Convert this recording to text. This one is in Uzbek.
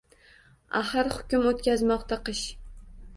Аxir hukm oʼtkazmoqda qish.